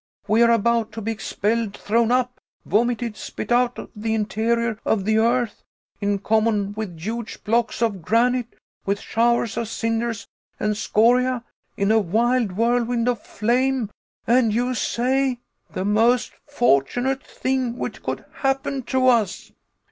We are about to be expelled, thrown up, vomited, spit out of the interior of the earth, in common with huge blocks of granite, with showers of cinders and scoriae, in a wild whirlwind of flame, and you say the most fortunate thing which could happen to us."